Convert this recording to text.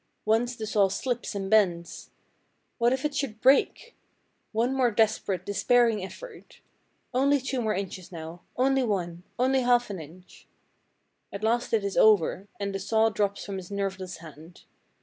Once the saw slips and bends. What if it should break! One more desperate, despairing effort. Only two more inches now, only one, only a half inch. At last it is over, and the saw drops from his nerveless hand.